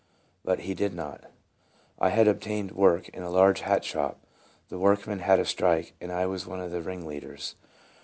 But he did not. I had obtained work in a large hat shop. The workmen had a strike, and I was one of the ringleaders.